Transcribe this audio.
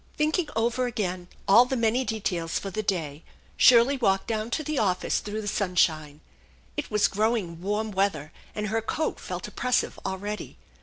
Thinking over again all the many details for the day, Shirley walked down to the office through the sunshine. It was growing warm weather, and her coat felt oppressive already.